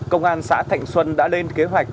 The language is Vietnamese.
công an xã thành xuân đã lên kế hoạch